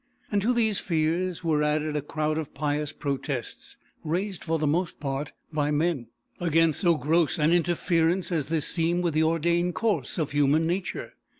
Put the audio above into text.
And to these fears were added a crowd of pious protests (raised, for the most part, by men) against so gross an interference as this seemed with the ordained course of human nature.